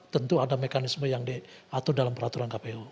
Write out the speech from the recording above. tentu ada mekanisme yang diatur dalam peraturan kpu